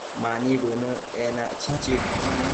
Mani bënë enac, chichi